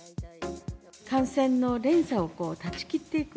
感染の連鎖を断ち切っていく。